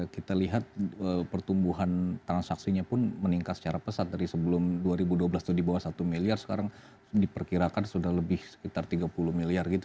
kita lihat pertumbuhan transaksinya pun meningkat secara pesat dari sebelum dua ribu dua belas itu di bawah satu miliar sekarang diperkirakan sudah lebih sekitar tiga puluh miliar gitu